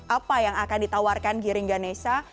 apa yang akan ditawarkan giring ganesa